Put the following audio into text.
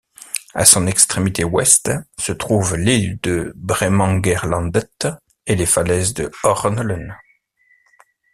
À son extrémité ouest se trouve l'île de Bremangerlandet et les falaises de Hornelen.